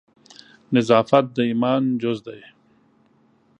نظافت د ایمان جز ده